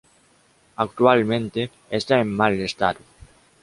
Actualmente está en mal estado.